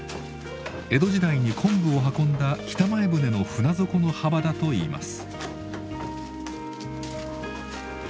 江戸時代に昆布を運んだ北前船の船底の幅だといいます。